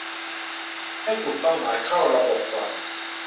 ให้กลุ่มเป้าหมายเข้าระบบก่อน